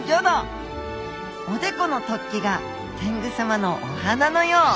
おでこの突起が天狗様のお鼻のよう。